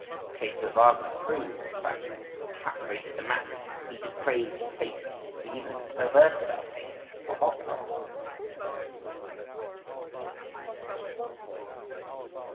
… The case of Wagner proves this fact: he captivated the masses—he depraved taste, he even perverted our taste for opera!